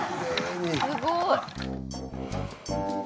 すごい。